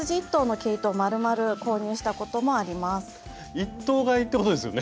１頭買いってことですよね？